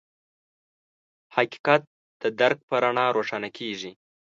حقیقت د درک په رڼا روښانه کېږي.